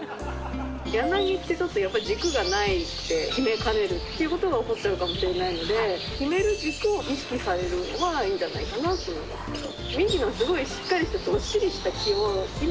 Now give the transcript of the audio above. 柳ってちょっとやっぱり軸がなくて決めかねるっていうことが起こっちゃうかもしれないので決める「軸」を意識されるのはいいんじゃないかなと思いますけど。